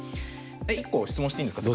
１個質問していいんですか？